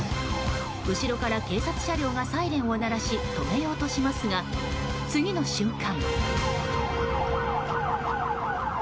後ろから警察車両がサイレンを鳴らし止めようとしますが次の瞬間！